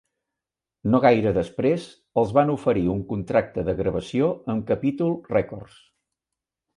No gaire després, els van oferir un contracte de gravació amb Capitol Records.